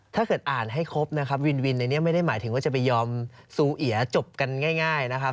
ถ้าเกิดอ่านให้ครบนะครับวินวินในนี้ไม่ได้หมายถึงว่าจะไปยอมซูเอียจบกันง่ายนะครับ